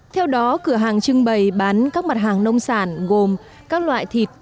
theo đó cửa hàng trưng bày bán các mặt hàng nông sản gồm các loại thịt